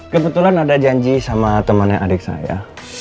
kebetulan ada janji sama temannya adik saya